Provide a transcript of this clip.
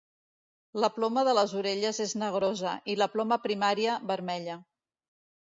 La ploma de les orelles és negrosa i la ploma primària, vermella.